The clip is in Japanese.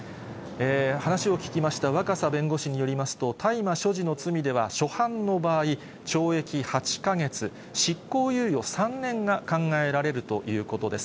話を聞きました若狭弁護士によりますと、大麻所持の罪では初犯の場合、懲役８か月、執行猶予３年が考えられるということです。